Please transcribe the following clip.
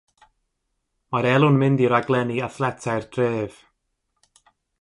Mae'r elw'n mynd i raglenni athletau'r dref.